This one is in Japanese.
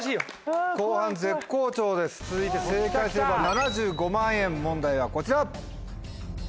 続いて正解すれば７５万円問題はこちら。